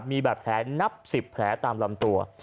มีบาดแผลนับ๑๐แผลตามลำตัว